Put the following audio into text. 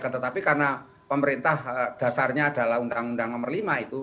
tetapi karena pemerintah dasarnya adalah undang undang nomor lima itu